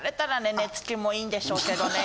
寝つきもいいんでしょうけどね。